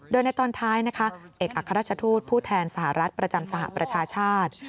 โดยในตอนท้ายนะคะเอกอัครราชทูตผู้แทนสหรัฐประจำสหประชาชาติ